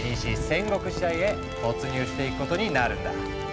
戦国時代へ突入していくことになるんだ。